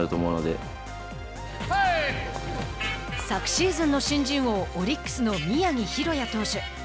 昨シーズンの新人王オリックスの宮城大弥投手。